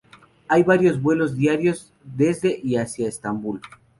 Hay varios vuelos diarios desde y hacia Estambul.